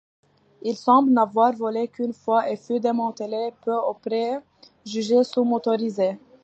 Il semble n’avoir volé qu’une fois et fut démantelé peu après, jugé sous-motorisé.